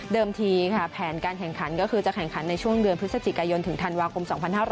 ทีค่ะแผนการแข่งขันก็คือจะแข่งขันในช่วงเดือนพฤศจิกายนถึงธันวาคม๒๕๖๐